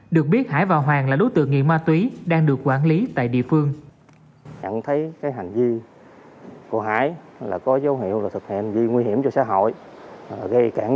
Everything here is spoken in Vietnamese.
được biết hải và hoàng là đối tượng nghiện ma túy đang được quản lý tại địa phương